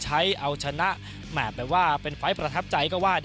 และก็ชั้นไม่ผิดหวังใช่มั้ย